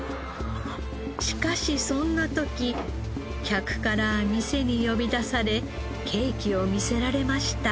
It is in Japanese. しかしそんな時客から店に呼び出されケーキを見せられました。